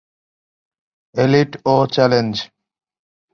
Elite ও challenge.